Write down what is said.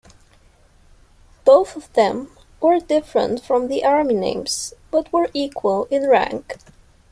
Both of them were different from the army names, but were equal in rank.